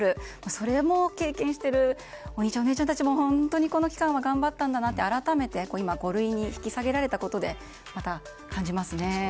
それも経験しているお兄ちゃん、お姉ちゃんたちも本当にこの期間は頑張ったんだなって改めて今５類に引き下げられたことでまた感じますね。